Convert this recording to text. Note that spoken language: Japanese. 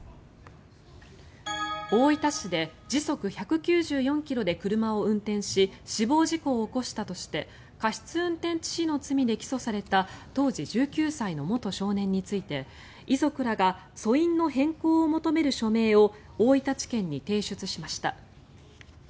大分市で時速１９４ｋｍで車を運転し死亡事故を起こしたとして過失運転致死の罪で起訴された当時１９歳の元少年について遺族らが訴因の変更を求める署名を大分地検に提出しました。